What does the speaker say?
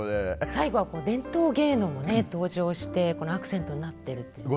最後は伝統芸能もね登場してこのアクセントになってるっていうね。